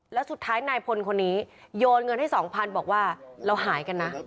แล้วสุดท้ายนายพลคนนี้โยนเงินให้๒๐๐๐บอกว่าเราหายกันนะ